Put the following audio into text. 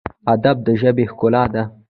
ادب د ژبې ښکلا ده